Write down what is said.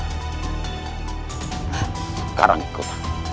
sekarang ikut aku